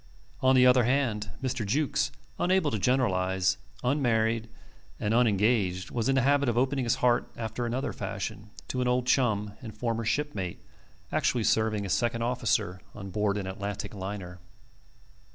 On the other hand, Mr. Jukes, unable to generalize, unmarried, and unengaged, was in the habit of opening his heart after another fashion to an old chum and former shipmate, actually serving as second officer on board an Atlantic liner.